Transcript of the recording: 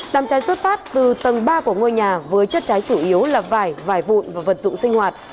đám cháy xuất phát từ tầng ba của ngôi nhà với chất cháy chủ yếu là vải vải vụn và vật dụng sinh hoạt